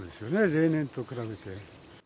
例年と比べて。